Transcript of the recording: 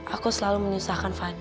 aku selalu menyusahkan fadil